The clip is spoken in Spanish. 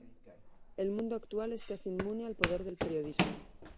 El mundo actual es casi inmune al poder del periodismo.